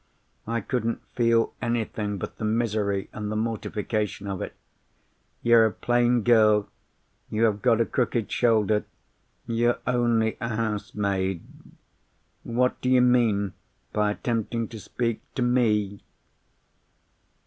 I couldn't feel anything but the misery and the mortification of it. You're a plain girl; you have got a crooked shoulder; you're only a housemaid—what do you mean by attempting to speak to Me?"